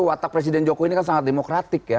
watak presiden jokowi ini kan sangat demokratik ya